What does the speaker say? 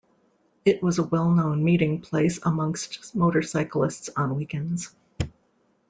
It was a well known meeting place amongst motorcyclists on weekends.